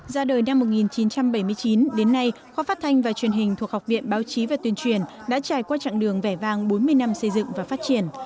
ra đời năm một nghìn chín trăm bảy mươi chín đến nay khoa phát thanh và truyền hình thuộc học viện báo chí và tuyên truyền đã trải qua chặng đường vẻ vang bốn mươi năm xây dựng và phát triển